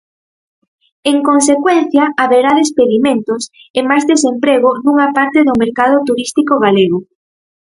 En consecuencia, haberá despedimentos e máis desemprego nunha parte do mercado turístico galego.